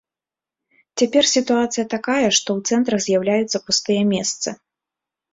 Цяпер сітуацыя такая, што ў цэнтрах з'яўляюцца пустыя месцы.